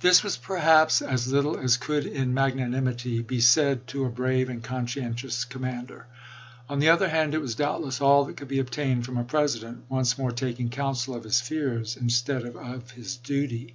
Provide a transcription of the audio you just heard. This was perhaps as little as could in magnanimity be said to a brave and conscientious commander ; on the other hand it was doubtless all that could be obtained from a President once more taking Printedin counsel of his fears instead of his duty.